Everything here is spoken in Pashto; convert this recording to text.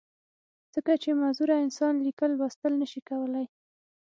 ځکه چې معذوره انسان ليکل، لوستل نۀ شي کولی